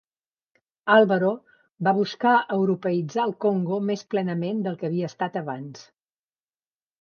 Álvaro va buscar europeïtzar el Congo més plenament del que havia estat abans.